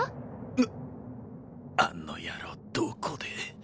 なっあの野郎どこで。